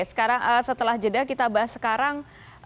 sekarang setelah jeda kita bahas sekarang